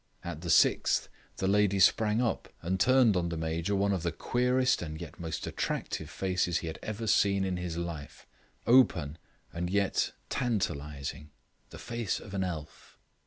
At the sixth the lady sprang up and turned on the Major one of the queerest and yet most attractive faces he had ever seen in his life; open, and yet tantalising, the face of an elf.